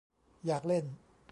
อยากเล่น !